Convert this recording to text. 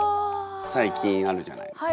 最近あるじゃないですか。